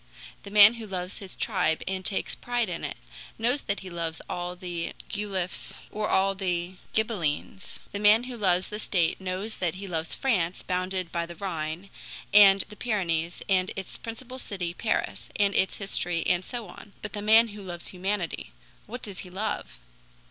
The man who loves his tribe and takes pride in it, knows that he loves all the Guelphs or all the Ghibellines; the man who loves the state knows that he loves France bounded by the Rhine, and the Pyrenees, and its principal city Paris, and its history and so on. But the man who loves humanity what does he love?